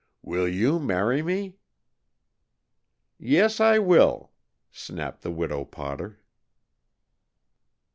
"Will you marry me?" "Yes, I will!" snapped the Widow Potter.